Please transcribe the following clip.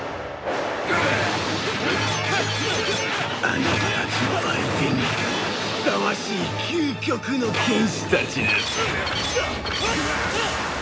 あなたたちの相手にふさわしい究極の剣士たちです。